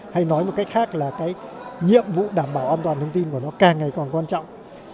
hay nói một cách khác là cái nhiệm vụ đảm bảo an toàn thông tin của nó càng ngày càng quan trọng